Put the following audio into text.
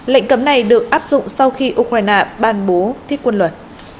lệnh cấm này được áp dụng sau khi ukraine ban bố thiết quân luật